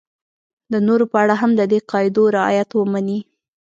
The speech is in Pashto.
د نورو په اړه هم د دې قاعدو رعایت ومني.